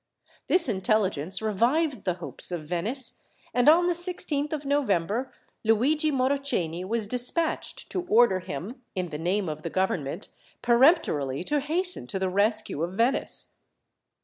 This intelligence revived the hopes of Venice, and on the 16th of November Luigi Moroceni was despatched to order him, in the name of the government, peremptorily to hasten to the rescue of Venice.